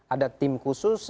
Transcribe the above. ada tim khusus